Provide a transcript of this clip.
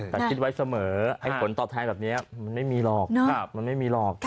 จัดกินไว้เสมอให้ผลตอบทางแบบนี้มันไม่มีหลอก